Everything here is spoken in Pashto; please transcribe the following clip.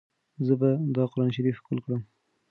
زه به دا قرانشریف ښکل کړم.